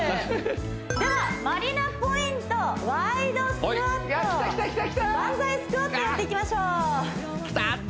ではまりなポイントワイドスクワットバンザイスクワットやっていきましょうきたっ！